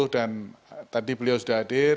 dan tadi beliau sudah hadir